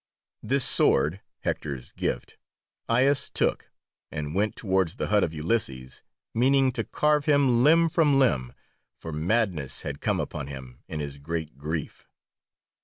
This sword, Hector's gift, Aias took, and went towards the hut of Ulysses, meaning to carve him limb from limb, for madness had come upon him in his great grief.